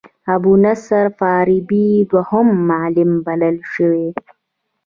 ابو نصر فارابي دوهم معلم بلل شوی.